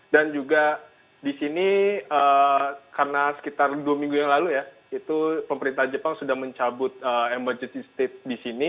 dan juga di sini karena sekitar dua minggu yang lalu ya itu pemerintah jepang sudah mencabut emergency stage di sini